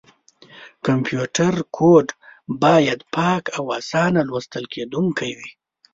کمپیوټر کوډ باید پاک او اسانه لوستل کېدونکی وي.